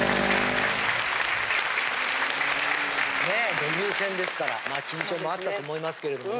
デビュー戦ですから緊張もあったと思いますけれどもね。